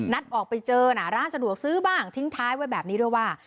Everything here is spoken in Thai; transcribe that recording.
ออกไปเจอน่ะร้านสะดวกซื้อบ้างทิ้งท้ายไว้แบบนี้ด้วยว่า